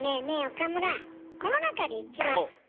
岡村。